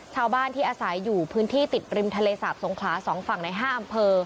ชาวบ้านที่อาศัยอยู่พื้นที่ติดริมทะเลสาบสงขลา๒ฝั่งใน๕อำเภอ